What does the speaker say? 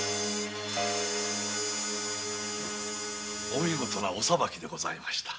お見事なお裁きでございました。